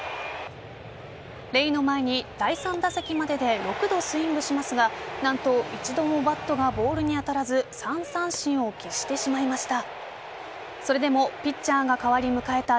レイの前に第３打席までで６度スイングしますが何と、一度もバットがボールに当たらず３三振を喫してしまいました。